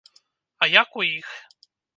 А як у іх?